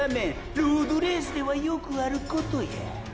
ロードレースではよくあることや。